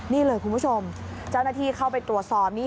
นี่เลยคุณผู้ชมเจ้าหน้าที่เข้าไปตรวจสอบนี้